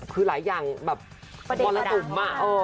คือหลายอย่างโปรสุม